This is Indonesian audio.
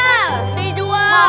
kalau ini super